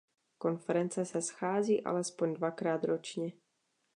Konference se schází alespoň dvakrát ročně.